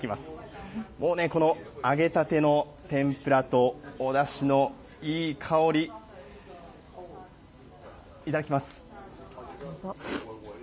もうね、この揚げたての天ぷらとおだしのいい香り、いただきます。